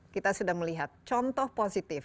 kita sudah melihat contoh positif